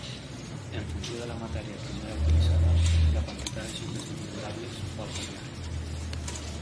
En funció de la matèria primera utilitzada, la quantitat de sucres fermentables pot variar.